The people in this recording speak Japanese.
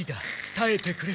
たえてくれ。